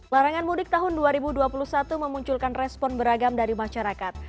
larangan mudik tahun dua ribu dua puluh satu memunculkan respon beragam dari masyarakat